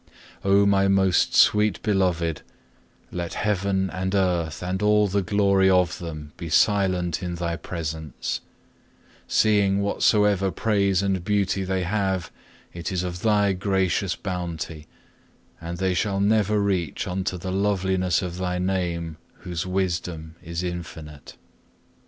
Oh my most sweet Beloved, let heaven and earth and all the glory of them, be silent in Thy presence; seeing whatsoever praise and beauty they have it is of Thy gracious bounty; and they shall never reach unto the loveliness of Thy Name, Whose Wisdom is infinite.